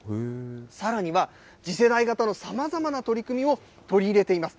さらには次世代型のさまざまな取り組みを取り入れています。